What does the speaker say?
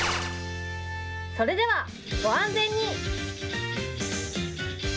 それでは、ご安全に。